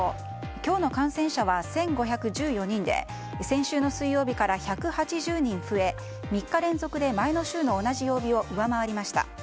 今日の感染者は１５１４人で先週の水曜日から１８０人増え３日連続で前の週の同じ曜日を上回りました。